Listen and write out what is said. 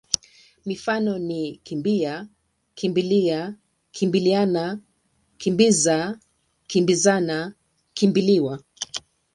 Mifano ni kimbi-a, kimbi-lia, kimbili-ana, kimbi-za, kimbi-zana, kimbi-liwa.